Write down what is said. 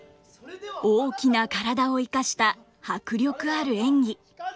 大きな体を生かした迫力ある演技。